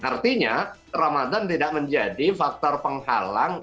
artinya ramadan tidak menjadi faktor penghalang